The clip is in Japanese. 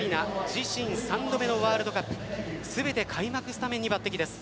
自身３度目のワールドカップ。全て開幕スタメンに抜擢です。